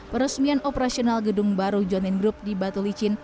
peresmian operasional gedung baru johnn group di batu licin